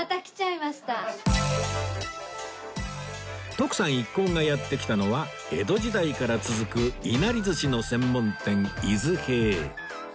徳さん一行がやって来たのは江戸時代から続くいなり寿司の専門店泉平